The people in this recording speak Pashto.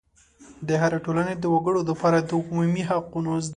د هرې ټولنې د وګړو دپاره د عمومي حقوقو زده کړه